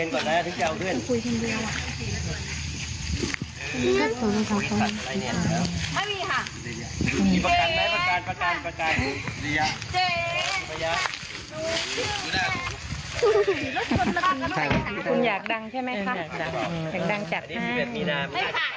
คุณอยากดังใช่ไหมคะอยากดังจัดไหม